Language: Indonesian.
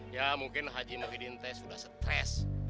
ya mungkin haji movidin teh sudah stres